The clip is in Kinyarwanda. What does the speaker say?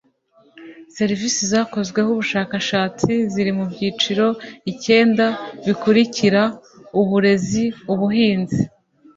serivisi zakozweho ubushakashatsi ziri mu byiciro icyenda bikurikira uburezi ubuhinzi